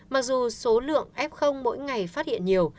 mặc dù số lượng f mỗi ngày phát hiện nhiều